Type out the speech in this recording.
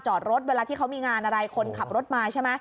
จอดรถเวลาที่เขามีงานอะไรคนขับรถมาใช่ไหม